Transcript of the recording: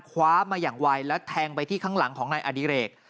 คว้ามาอย่างไวแล้วแทงไปที่ข้างหลังของนายอดิเรก